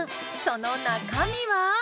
その中身は？